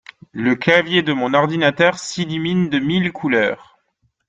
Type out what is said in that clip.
Le clavier de mon ordinateur s'illumine de mille couleurs